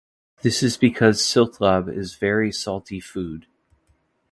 This is because Syltelabb is very salty food.